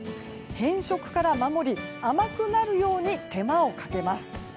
変色から守り甘くなるように手間をかけます。